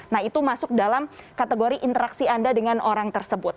nah itu masuk dalam kategori interaksi anda dengan orang tersebut